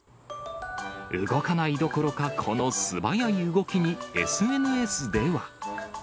動かないどころか、この素早い動きに、ＳＮＳでは。